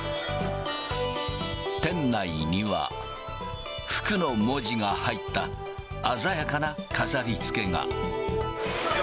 店内には、福の文字が入った鮮やかな飾りつけが。